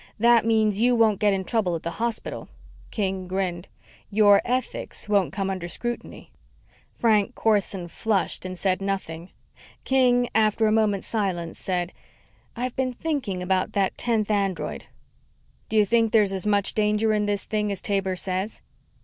That means you won't get in trouble at the hospital." King grinned. "Your ethics won't come under scrutiny." Frank Corson flushed and said nothing. King, after a moment's silence, said, "I've been thinking about that tenth android." "Do you think there's as much danger in this thing as Taber says?"